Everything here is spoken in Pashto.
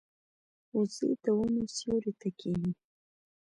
وزې د ونو سیوري ته کیني